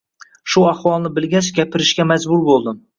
Shu ahvolni bilgach gapirishga majbur bo’ldim.